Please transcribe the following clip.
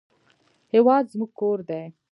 هېواد زموږ کور دی